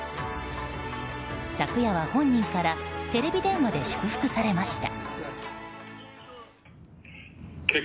昨夜は本人からテレビ電話で祝福されました。